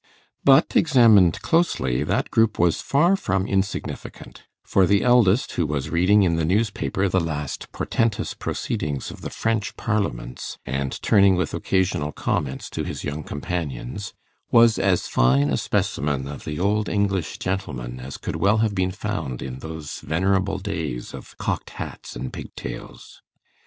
But, examined closely, that group was far from insignificant; for the eldest, who was reading in the newspaper the last portentous proceedings of the French parliaments, and turning with occasional comments to his young companions, was as fine a specimen of the old English gentleman as could well have been found in those venerable days of cocked hats and pigtails.